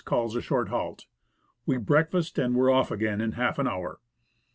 called a short halt ; we breakfasted and were off again in half an hour.